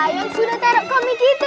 yang sudah terap komik itu